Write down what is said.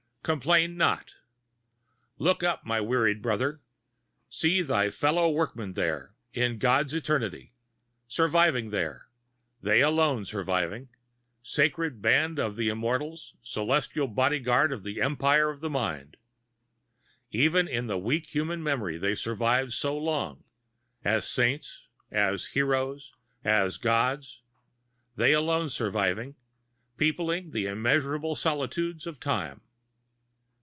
Complain not. Look up, my wearied brother; see thy fellow workmen there, in God's Eternity; surviving there, they alone surviving; sacred Band of the Immortals, celestial Body guard of the Empire of Mind. Even in the weak human memory they survive so long, as saints, as heroes, as gods; they alone surviving; peopling the immeasured solitudes of Time!